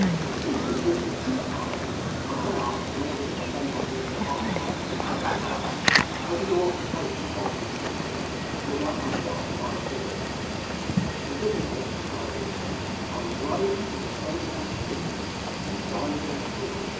'And speaking of business,' said Martin, 'may I ask, in order that I may not be behind hand with questions either, whether your occupation holds you to this city, or like myself, you are a visitor here?' 'A visitor,' replied his friend. 'I was "raised" in the State of Massachusetts, and reside there still.